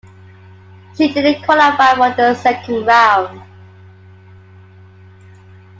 She didn't qualify for the second round.